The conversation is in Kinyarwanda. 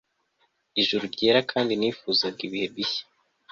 Ijuru ryera kandi nifuzaga ibihe bishya